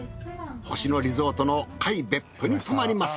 星野リゾートの界別府に泊まります。